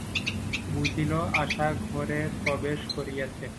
বুঝিল, আশা ঘরে প্রবেশ করিয়াছে।